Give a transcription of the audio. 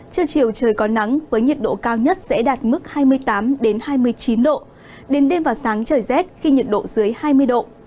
trưa chiều trời có nắng với nhiệt độ cao nhất sẽ đạt mức hai mươi tám hai mươi chín độ đến đêm và sáng trời rét khi nhiệt độ dưới hai mươi độ